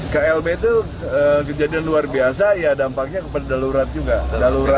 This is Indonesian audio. klb itu kejadian luar biasa ya dampaknya kepada darurat juga